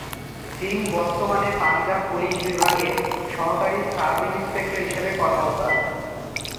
সিং বর্তমানে পাঞ্জাব পুলিশ বিভাগে সহকারী সাব ইন্সপেক্টর হিসাবে কর্মরত আছেন।